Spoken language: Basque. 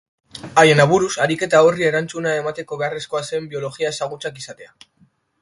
Haien aburuz, ariketa horri erantzuna emateko beharrezkoa zen biologia ezagutzak izatea.